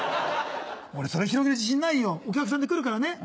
俺それ広げる自信ないよお客さんで来るからね。